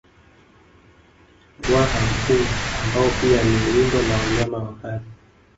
Ruaha mkuu ambao pia ni windo la wanyama wakali